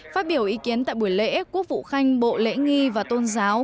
phát biểu ý kiến tại buổi lễ quốc vụ khanh bộ lễ nghi và tôn giáo